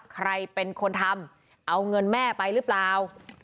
ใครเป็นคนทำเอาเงินแม่ไปหรือเปล่า